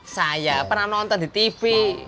saya pernah nonton di tv